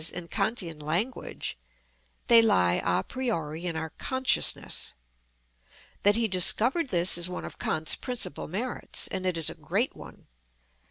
_, in Kantian language, they lie a priori in our consciousness. That he discovered this is one of Kant's principal merits, and it is a great one.